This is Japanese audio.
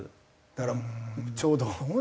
だからちょうど。